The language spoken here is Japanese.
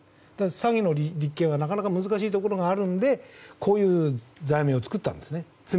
詐欺の立件はなかなか難しいところがあるのでこういう罪名を作ったんですね。